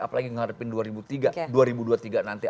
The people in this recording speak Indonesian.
apalagi menghadapi dua ribu dua puluh tiga nanti